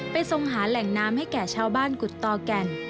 ทรงหาแหล่งน้ำให้แก่ชาวบ้านกุฎตอแก่น